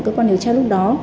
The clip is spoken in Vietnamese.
cơ quan điều tra lúc đó